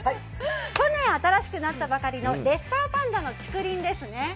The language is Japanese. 去年新しくなったばかりのレッサーパンダの竹林ですね。